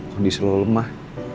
kondisi lo lemah